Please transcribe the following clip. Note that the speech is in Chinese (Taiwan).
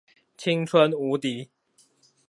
青春無敵